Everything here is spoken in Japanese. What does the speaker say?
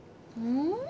うん？